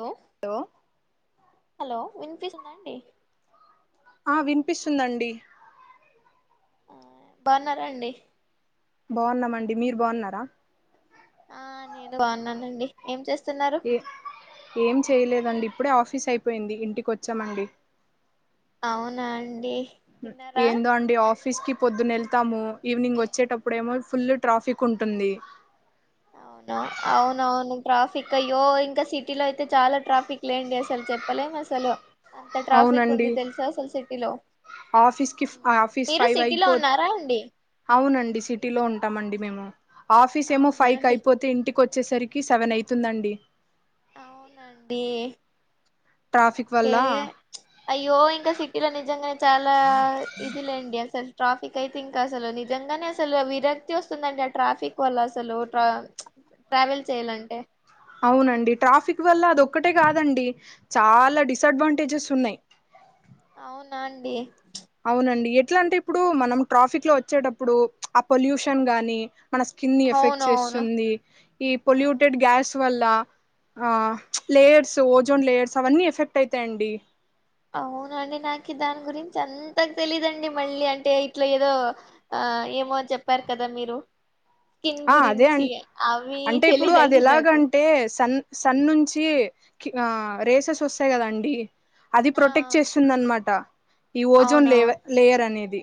Hello hello వినిపిస్తుంది హా వినిపిస్తుందండి బాగున్నారాండి బాగున్నామండి మీరు బాగున్నారా ఆ నేను బాగున్నానండి ఏం చేస్తా ఏం చేయలేదండి ఇప్పు ఇప్పుడే ఆఫీస్ అయిపోయింది ఇంటికి వచ్చామండి అవునా అండి తిన్నారా ఏందో అండి ఆఫ్ ఆఫీస్ కి పొద్దున వెళ్తాము ఈవినింగ్ వచ్చేటప్పుడు ఏమో ఫుల్ ట్రాఫిక్ ఉంటుంది అవున అవునవును ట్రాఫిక్ అయ్యో ఇంకా సిటీలో అయితే చాలా ట్రాఫిక్ లేండి అసలు చెప్పలేం అసలు అంత ట్రాఫిక్ అవునండి ఉంది తెలుసా అసలు సిటీలో ఆఫీస్కి ఆఫీస్ మీరు ఫైవ్ సిటీలో అయిపో ఉన్నారా అండి అవునండి సిటీలో ఉంటామండి మేము ఆఫీస్ ఏమో అవునా ఫైక్ అండి అయిపోతే ఇంటికి కి వచ్చేసరికి సెవెన్ అవుతుందండి అవునండి ట్రాఫిక్ ఓకే వల్ల అయ్యో ఇంకా సిటీలో నిజంగా చాలా ఇదిలేండి అసలు ట్రాఫిక్ అయితే ఇంకా అసలు నిజంగానే అసలు విరక్తి వస్తుందండి ఆ ట్రాఫిక్ వల్ల అసలు ట్రావెల్ చేయాలంటే అవునండి ట్రాఫిక్ వల్ల అది ఒక్కటే కాదండి చాలా డిసడ్వాంటేజెస్ ఉన్నాయి అవునా అండి అవునండి ఎట్లా అంటే ఇప్పుడు మనం ట్రాఫిక్ లో వచ్చేటప్పుడు ఆ పొల్యూషన్ గాని మన స్కిన్ని ఎఫెక్ట్ అవునవును చేస్తుంది ఈ ఆ పొల్యూటెడ్ గ్యాస్ వల్ల ఆ లేయర్స్ ఓజోన్ లేయర్స్ అవన్నీ ఎఫెక్ట్ అవుతాఅండి అవునండి నాకు దాని గురించి అంతక తెలీధండి మళ్ళీ అంటే ఇట్లా ఏదో ఆ ఏమో చెప్పారు కదా మీరు స్కిన్ ఆ అదే అ గురించి అవి అంటే ఇప్పుడు అది తెలీదండి నాకు ఎలాగంటే సన్ సన్న నుంచి క రేసెస్ వస్తాయి కదాండి అది ఆ ప్రొటెక్ట్ చేస్తుంద అనమాట ఈ ఓజోన్ లే అవునవును లేయర్ అనేది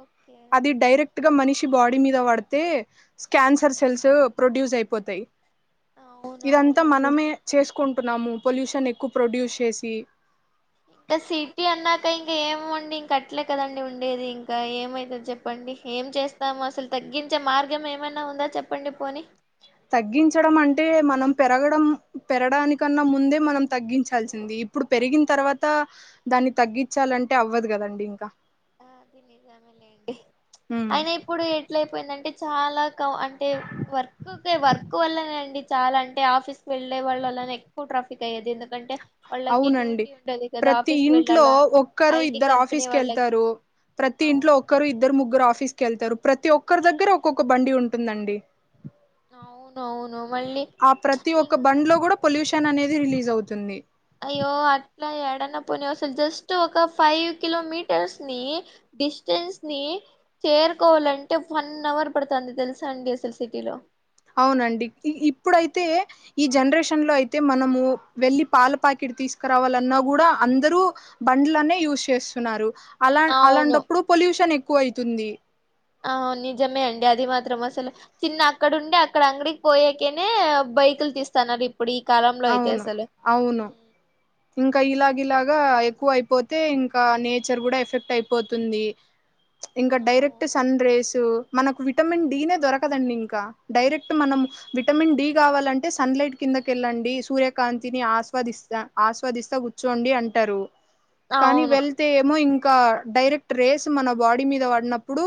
ఓకే అది డైరెక్ట్ ఇక మనిషి బాడీ మీద పడితే క్యాన్సర్ సెల్స్ ప్రొడ్యూస్ అయిపోతాయి ఇదంతా అవునవునండి మనమే చేసు కుంటున్నాము పొల్యూషన్ ఎక్కువ ప్రొడ్యూస్ చేసి ఇంకా సిటీ అన్నాక ఇంకా ఏమండి ఇంక అట్లే కదండి ఉండేది ఇంకా ఏమైతుంది చెప్పండి ఏం చేస్తాము అసలు తగ్గించే మార్గం ఏమైనా ఉందా చెప్పండి పోని తగ్గించడం అంటే మనం పెరగడం పెరడానికన్నా ముందే మనం తగ్గించాల్సింది ఇప్పుడు పెరిగిన తర్వాత దాన్ని తగ్గించాలంటే అవ్వదు కదండి ఇంకా నిజమే లేండి ఉమ్ అయిన ఇప్పుడు ఎట్లయిపోయిందంటే చాలా క అంటే వర్క్ కి వర్క్ వల్లనే అండి చాలా అంటే ఆఫీస్ కి వెళ్ళే వాళ్ళ వల్లనే ఎక్కువ ట్రాఫిక్ అయ్యేది ఎందుకంటే వాళ్ళకి అవునండి డ్యూటీ ఉంటది కదా ప్రతి ఆఫీస్ ఇంట్లో వెళ్ళాలా ఒక్కరు ఐటీ ఇద్దరు కంపెనీ ఆఫీస్కి వాళ్ళకి వెళ్తారు ప్రతి ఇంట్లో అవును ఒక్కరు ఇద్దరు ముగ్గురు ఆఫ తీసుకేళ్తారు ప్రతి ఒక్కరి దగ్గర ఒక్కొక్క బండి ఉంటుందండి అవును అవును మళ్ళీ ఆ ప్రతి ఒక్క ఇం బండ్ లో కూడా పొల్యూషన్ షన్ అనేది రిలీజ్ అవుతుంది అయ్యో అట్లా ఎడన్న పోని అసలు జస్ట్ ఒక ఫైవ్ కిలోమీటర్స్ ని డిస్టెన్స్ ని చేరుకోవాలంటే వన్ అవర్ పడుతుంది తెలుసా అండి అసలు సిటీలో అవునండి ఇప్పుడైతే ఈ జనరేషన్ లో అయితే మనము వెళ్లి పాల పాకెట్ తీసుకురావాలన్నా కూడా అందరూ బండ్లనే యూజ్ చేస్తున్నారు అలా అవును అలాంటప్పుడు పొల్యూషన్ ఎక్ ఎక్కువ అయితుంది ఆ నిజమే అండి అది మాత్రం అసలు చిన్న అక్కడండి అక్కడ అంగడికి పోయాకేనే బైకులు తీస్తాన్నారు ఇప్పుడు ఈ కాలంలో అయితే అవును అసలు అవును ఇంకా ఇలాగలాగా ఎక్కువ అయిపోతే ఇంకా నేచర్ కూడా ఎఫెక్ట్ అయిపోతుంది ఇంకా అవును డైరెక్ట్ సన్ రేసు మనకు విటమిన్ డీనే దొరకదండి ఇంకా డైరెక్ట్ మనం విటమిన్ డి కావాలంటే సన్లైట్ కిందకెళ్ళండి సూర్యకాంతిని ఆస్వాదిస్తా ఆస్వాదిస్తా కూర్చోండి అంటారు కానీ అవును వెళ్తే ఏమో ఇం ఇంకా డైరెక్ట్ రేస్ మన బాడీ మీద పడినప్పుడు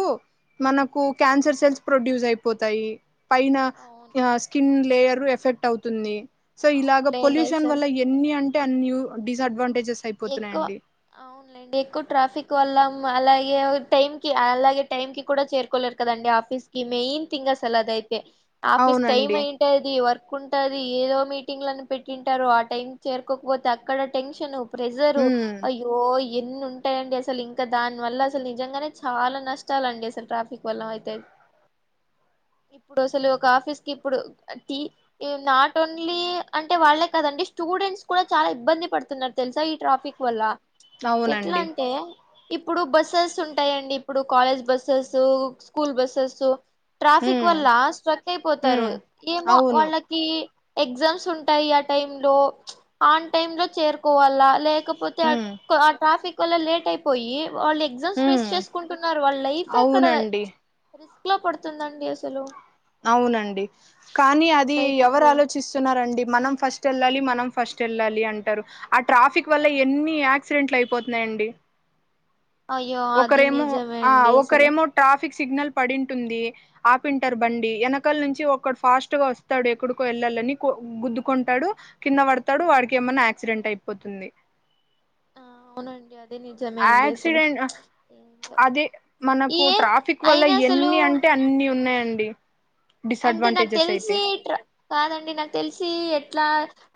మనకు క్యాన్సర్ సెల్స్ ప్రొడ్యూస్ అయిపో పోతాయి పైన అవును ఆ స్కిన్ ప్లేయరు ఎఫెక్ట్ అవుతుంది సో ఇలాగ అవునులేండి పొల్యూషన్ అసలు వల్ల ఎన్ని అం అన్య డిస్డ్వాంటేజె ఎక్కువ అవునులేండి ఎక్కువ ట్రాఫిక్ వల్ల అలాగే టైం కి అలాగే టైమ్ కి కూడా చేరుకోలేరు కదండి ఆఫీస్ కి మెయిన్ థింగ్ అసలు అదైతే ఆఫీస్ టైమ్ అవునండి అయింటది వర్ ఉంటది ఏదో మీటింగ్లను పెట్టింటారు ఆ టైం చేరుకోకపోతే అక్కడ టెన్షన్ ప్రెజరు ఉమ్ అయ్యో ఈ ఎన్ని ఉంటాయి అండి అసలు ఇంకా దాని వల్ల అసలు నిజంగానే చాలా నష్టాలండి అసలు ట్రాఫిక్ వల్ల అయితే ఇప్పుడు అసలు ఒక ఆఫీస్ కి ఇప్పుడు యి యి నాట్ ఓన్లీ అంటే వాళ్ళే కాదండి స్టూడెంట్స్ కూడా చాలా ఇబ్బంది పడుతున్నారు తెలుసా ఈ ట్రాఫిక్ వల్ల ఎట్లా అవునండి అంటే ఇప్పుడు బస్సెస్ ఉంటాయండి ఇప్పుడు college buses school buses traffic ఉమ్ వల్ల స్ట్రక్ అయిపోతారు ఉమ్ ఏమో అవును వాళ్ళకి ఎగ్జామ్స్ ఉంటాయి ఆ టై లో ఆన్ టైమ్ లో చేరు కోవల్ల లేక్ కాక పోతే ఉమ్ ఆ ట్రాఫిక్ ఒకలా లేట్ అయిపోయి. వాళ్ళు ఎగ్జామ్స్ బేస్ ఉమ్ చేసుకుంటున్నారు వాళ్ళ లైఫ్ ఎక్కడ అవునండి రిస్క్. ఎట్లా పడుతుందాండి అసలు. అవునండి కానీ అది ఎవరు అట్లయితుంది ఆలోచిస్తున్నారండి మనం ఫస్ట్ వెళ్ళాలి మనం. ఫస్ట్ వెళ్ళాలి అంటారు ఆ ట్రాఫిక్ వల్ల ఎన్ని యాక్సిడెంట్లు అయిపోతున్నాయండి. అయ్యో అది ఒకరేమో నిజమే ఆ అండి అసలు ఒకరేమో ట్రాఫ్. ఫిక్ సిగ్నల్ పడింటుంది ఆపింటారు బండి వెనకాల నుంచి ఒక్కడు ఫాస్ట్ గా వస్తాడు ఎక్కడికో వెళ్ళాలని గుద్దుకుంటాడు కింద పడతాడు వాడికి ఏమన్నా యాక్సిడెంట్ అయిపోతుంది. ఆ అవునండి. అది నిజమే అండి అసలు యాక్సిడెంట్ ఏందో అది మనకు ఏ ట్రాఫిక్ వల్ల అయినా అసలు ఎన్ని అంటే అన్ని ఉన్నాయం డి. అంటే నాకు తెలిసి ట్రా కాదండి నాకు తెలిసి ఏ. ట్లా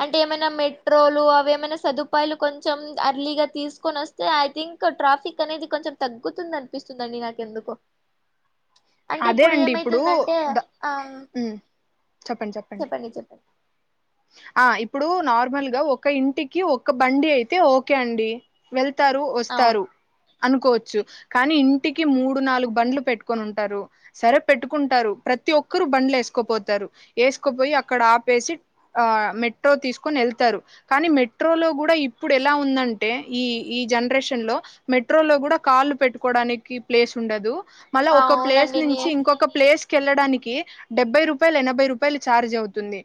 అంటే ఏమైనా మెట్రోలు అవిమైనా సదుపాయాలు కొంచం అర్లీగా తీసుకొని వస్తే ఐ థింక్ ట్రాఫిక్ అనేది కొంచెం తగ్గుతుంది అనిపిస్తుందిండి నాకు ఎందుకో.. అదే అండి ఇప్పుడు ద. ఆ. ఉమ్ చెప్పండి చెప్పండి. ఆ ఇప్పుడు నార్మల్ గా ఒక ఇంటికి ఒక్క బండి అయితే ఓకే అండి వెల్. ళ్తారు అవును వస్తారు. అనుకోవచ్చు కానీ ఇంటికి మూడు నాలుగు బండ్లు పెట్టుకొని ఉంటారు సరే పెట్టుకుంటారు ప్రతి ఒక్కరు బండ్లు వేసుకోపోతారు వేసుకోపోయి అక్కడ ఆపేసి. ఆ మెట్రో తీసుకొని వెళ్తారు కానీ మెట్రోలో కూడా ఇప్పుడు ఎలా ఉందంటే ఈ ఈ జనరేషన్ లో మెట్రో లో కూడా కాళ్లు పెట్టుకోవడానికి ప్లేస్ ఉండదు. మళ్ళా ఒక ప్లేస్ అవునండి నే నుంచి ఇంకొక ప్లేస్. కేళ్లడానికి డెబ్బై రూపాయలు ఎనభై రూపాయలు చార్జ్ అవుతుంది.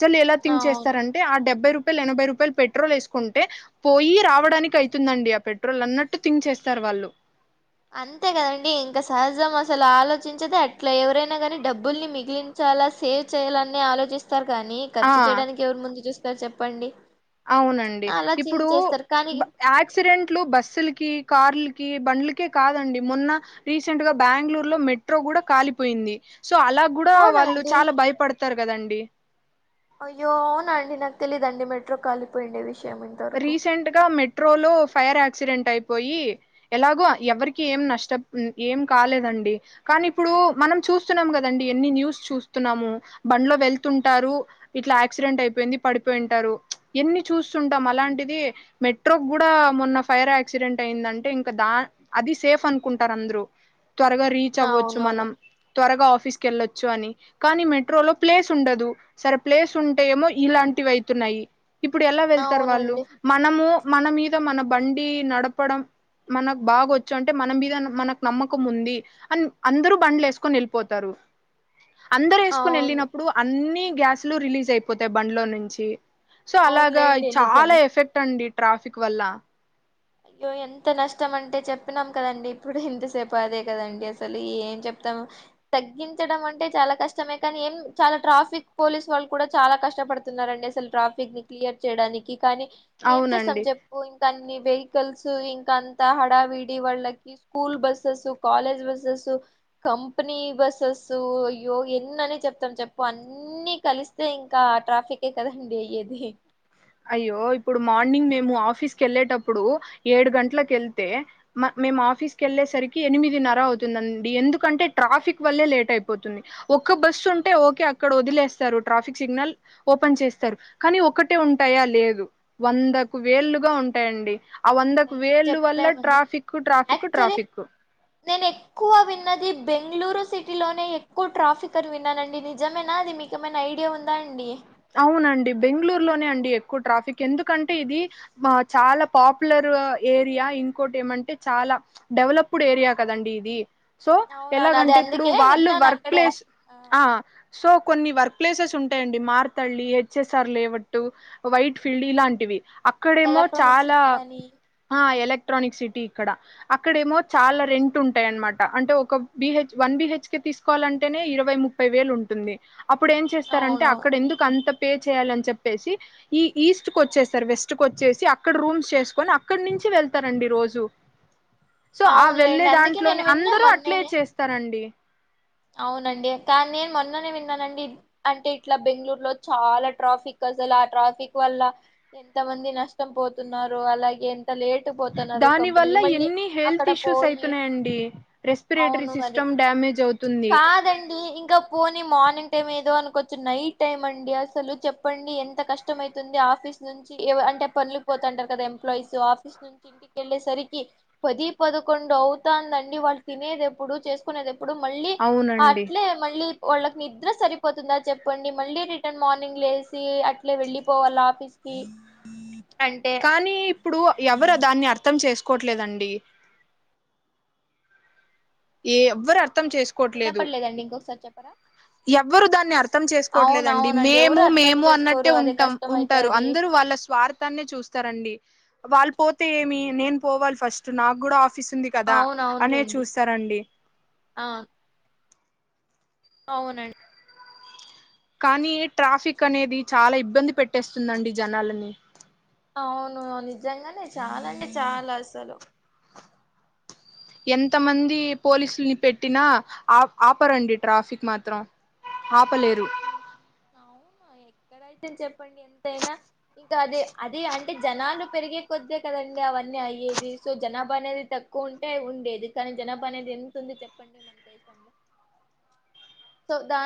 ప్రజలు ఎలా థింక్ అవును చేస్తారంటే ఆ డెబ్బై రూ. ఎనభై రూపాయలు పెట్రోల్ వేసుకుంటే పోయి రావడానికి అయితుందండి ఆ పెట్రోల్ అన్నట్టు థింక్ చేస్తారు వాళ్ళు. అంతే కదాండి ఇంకా సహజం అసలు ఆలోచించేదే అట్లా ఎవరైనా కానీ డబ్బుల్ని మిగిలించాలా సేవ్ చేయాల అని ఆలోచిస్త. స్తారు కానీ ఆ ఖర్చు చేయడానికి ఎవరు ముందు చూస్ సార్ చెప్పండి. అవునండి అలా ఇప్పుడు చింక్ చేస్తారు కానీ యాక్సిడెంట్లు బస్సులకి కార్లకి బండ్లకి. కి కాదండి మొన్న రీసెంట్ గా బ్యాంగ్లోర్ లో మెట్రో కూడా కాలిపోయింది. సో అలా గుడా వాళ్ళు అవునండి చాలా భయపడ్ వస్తారు కదాండి. అయ్యో అవున అండి నాకు తెలిదు అండి మెట్రో కాలిపోయిండే వి రీసెంట్ గా మెట్రోలో ఫైర్ యాక్సిడెంట్ అయి. పోయి ఎలాగో ఎవరికి ఏం నష్టం ఏం కాలేదండి కానీ ఇప్పుడు మనం చూస్తున్నాం కదండి ఎన్ని న్యూస్ చూస్తున్నాము బండ్లో వెళ్తుంటారు ఇట్లా యాక్సిడెంట్ అయిపోయింది పడిపోయింటారు ఎన్ని చూస్తూ తం అలాంటిది మెట్రోకి కూడా మొన్న ఫైర్ యాక్సిడెంట్ అయిందంటే ఇంకా దా అది సేఫ్ అనుకుంటారు అందరు. త్వరగా రీచ్ అవ్వచ్చు అవునవును మనం త్వరగా ఆఫీస్ కి వెళ్లచ్చు అని కానీ మెట్రోలో ప్లేస్ ఉండదు సరే ప్లేస్ ఉంటే ఏమో ఇలాంటివి అయితున్నాయి ఇప్పుడు ఎలా తర్ వాళ్ళు అవునండి మనము మన మీద మన బండి నడపడం మనకు బాగొచ్చు అంటే మన మీద మనకు నమ్మకం ఉంది అని అందరు బండ్లు వేసుకొని వెళ్ళిపోతారు అందరు ఏసుకొని అవును వెళ్ళినప్పుడు అన్ని గ్యాస్లు రిలీజ్ అయిపోతాయి బండ్లో నుంచి సో అలాగా అవునులేండి నిజ్ చాలా ఎఫెక్ట్ అండి డి ట్రాఫీక్ వళ్ళ అయ్యో ఎంత నష్టం అంటే చెప్పినాం కదండి ఇప్పుడు ఎంతసేపు అదే కదండి అసలు ఏం చెప్తాము తగ్గించడం అంటే చాలా కష్టమే కానీ ఏం చాలా ట్రాఫిక్ పోలీస్ వాళ్ళు కూడా చాలా కష్టపడుతున్నారండి అసలు ట్రాఫిక్ ని క్లియర్ చేయడానికి కానీ ఏం చేస్తాం అవునండి చెప్పు ఇంకా అన్ని వేహ్ హికల్స్ ఇంకా అంత హడావిడి వాళ్ళకి school buses college buses company buses అయ్యో ఎన్నని చెప్తాం చెప్పు అన్ని కలిస్తే ఇంకా ట్రాఫిక్ కే కదండి అయ్యేది అయ్యో ఇప్పుడు మార్నింగ్ మేము ఆఫీస్కేళ్ళేటప్పుడు ఏడు గంటలక వెళ్తే మేము ఆఫీస్కి వెళ్ళేసరికి ఎనిమిదిన్నర అవుతుందండి ఎందుకంటే ట్రాఫిక్ వల్లే లేట్ అయిపోతుంది ఒక్క బస్సు ఉంటే ఓకే అక్కడ వదిలేస్తారు ట్రాఫిక్ సిగ్నల్ ఓపెన్ చేస్తారు కానీ ఒకటే ఉం టాయా లేదు వందకు వేళ్లుగా ఉంటాయండి ఆ వందకు అయ్యో వేళ్ళు వల్ల చెప్పలేమండి ట్రాఫిక్ ట్రాఫిక్ యాక్చువలీ ట్రాఫిక్ నేను ఎక్కువ విన్నది బెంగళూరు సిటీలోనే ఎక్కువ ట్రాఫికనీ విన్నానండి నిజమేనా అది మీకమైనా ఐడియా ఉందా అండి అవునండి బెంగళూరులోనే అండి ఎక్కువ ట్రాఫిక్ ఎందుకంటే ఇది చాలా పాపులర్ ఏరియా ఇంకోటి ఏమంటే చాలా డెవలప్డ్ ఏరియా కదండి ఇది సో అవునవును అదే ఎలాగంటే ఇప్పుడు అందుకే వాళ్ళు విన్నాను వర్క్ అక్కడే ప్లేస్ ఆ సో కొన్ని వర్క్ ప్లేసెస్ ఉంటాయండి మార్ తల్లి హెచ్ఎస్ఆర్ లేవట్టు వైట్ ఫీల్డ్ ఇలాంటివి అక్కడేమో ఎలక్ట్రానిక్ చాలా సిటీ కానీ ఆ ఎలక్ట్రానిక్ సిటీ అక్కడ అక్కడేమో చాలా రెంట్ ఉంటాయనమాట అంటే ఒక బిహెచ్ వన్ ఉమ్, బిహెచ్ కే తీసు తీసుకోవాలంటేనే ఇరవై ముప్పై వేలు ఉంటుంది అప్పుడు ఏం చేస్తారంటే అవును అక్కడ ఎందుకు ఎంత పే చేయాలని చెప్పేసి ఈ ఈస్ట్కి వచ్చేస్తారు వెస్ట్కోచ్చేసి అక్కడ రూమ్స్ చేసుకొని అక్కడ నుంచి వెళ్తారండి రోజు సో ఆ వెళ్ళే అవునులేండి అందుకే దాంట్లోనే నేను విన్నా అందరు అట్లే మొన్ననే చేస్తారండి అవునండి కానీ నే మొన్ననే విన్నానండి అంటే ఇట్లా బెంగళూరు లో చాలా ట్రాఫిక్ అసలు ఆ ట్రాఫిక్ వల్ల ఎంత మంది నష్ట పోతున్నారు అలాగే లేటు పోతున్నారు దాని వల్ల కంపెనీలు మళ్ళీ ఎన్ని హెల్త్ అక్కడ ఇష్యూస్ పోయి అయితున్నాయండి రెస్పిరేటరీ అవును మరి సిస్టమ్ డ్యామేజ్ అవు కాదండి ఇంకా పోని మార్నింగ్ టైమ్ ఏదో అనుకు కొంచెం నైట్ టైమ్ అండి అసలు చెప్పండి ఎంత కష్టం అవుతుంది ఆఫీస్ నుంచి అంటే పనులు పోతంటారు కదా ఎంప్లాయీస్ ఆఫీస్ నుంచి ఇంటిక వెళ్ళేసరికి పది పదకొండు అవుతందండి వాళ్ళు తినేది ఎప్పుడు చేసుకునేది ఎప్పుడు మళ్ళీ అవునండి అట్లే మళ్ళీ వాళ్ళకి నిద్ర సరిపోతుందా చెప్పండి మళ్ళీ రిటర్న్ మార్నింగ్ లేస్ సి అట్లే వెళ్ళిపోవాలాఫీస్ కీ కానీ ఇప్పుడు ఎవరు దాన్ని అర్థం చేస్ చెప్పండి కోట్లేదండి ఏ ఎవ్వరు అర్థం ఏ చేసుకోవట్లేదు వినపడలేదండి ఇంకొకసారి చెప్పరా ఎవ్వరు దాన్ని అర్థం అవున చేసుకోవట్లేదండి అవునండి ఎవరు మేము అర్థం మేము అన్నట్టే చేసుకోరు అదే ఉంటాం కష్టం ఉంటారు అయితది అందరూ వాళ్ళ స్వార్థాన్నే చూస్తారండి వాల్ పోతే ఏమి నేను పోవాలి ఫస్ట్ నాకు కూడా ఆఫ్ చిస్తుంది కదా అవున అనే అవునులేండి చూస్తారండి ఆ అవునండి కానీ ట్రాఫిక్ అనేది చాలా ఇబ్బంది పెట్టేస్తుందండి జనాలని అవును నిజంగానే చాలా అండి చాలా అసలు ఎంత మంది పోలీసుల్ని పెట్టినా ఆ ఆపరండి ట్రాఫిక్ మాత్రం ఆప అవును ఎక్కడైతేని చెప్పండి ఎంతైనా ఇంకా అది అది అంటే జనాలు పెరిగే కొద్దే కదండి అవన్నీ అయ్యేది సో జనాభా అనేది తక్కువ ఉంటే ఉండేది కానీ జనాభా అనేది ఎంత ఉంది చెప్పండి మన దేశంలో సో దాని